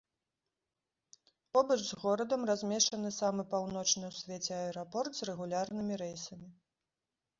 Побач з горадам размешчаны самы паўночны ў свеце аэрапорт з рэгулярнымі рэйсамі.